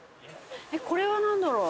これはなんだろう？